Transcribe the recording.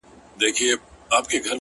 ښه به وي چي دا يې خوښـــه ســـوېده _